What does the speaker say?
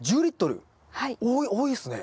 多いっすね。